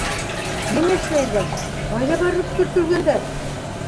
Нимә эшләйҙәр, ҡайҙа барып төртөлгәндәр?